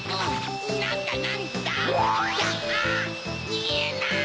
みえない！